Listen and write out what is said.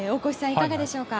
いかがでしょうか？